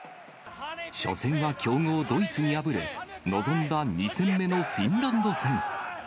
初戦は強豪ドイツに敗れ、臨んだ２戦目のフィンランド戦。